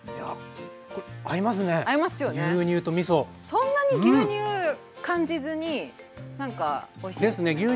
そんなに牛乳感じずになんかおいしいですよね。